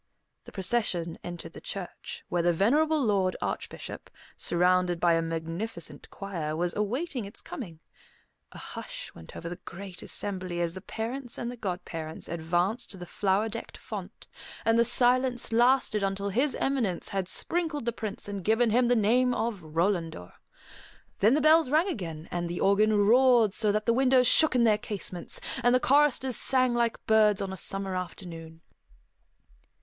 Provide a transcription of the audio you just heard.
The procession entered the church, where the venerable Lord Archbishop, surrounded by a magnificent choir, was awaiting its coming. A hush went over the great assembly as the parents and the godparents advanced to the flower decked font, and the silence lasted until His Eminence had sprinkled the Prince and given him the name of Rolandor. Then the bells rang again, the organ roared so that the windows shook in their casements, and the choristers sang like birds on a summer afternoon.